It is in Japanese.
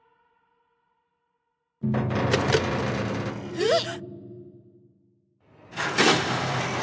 えっ！？